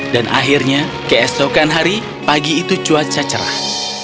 dan akhirnya keesokan hari pagi itu cuaca cerah